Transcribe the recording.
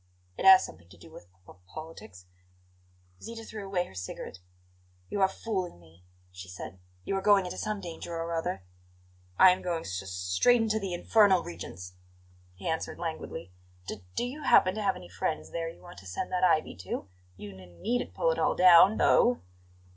"It has something to do with p p politics." Zita threw away her cigarette. "You are fooling me," she said. "You are going into some danger or other." "I'm going s s straight into the infernal regions," he answered languidly. "D do you happen to have any friends there you want to send that ivy to? You n needn't pull it all down, though."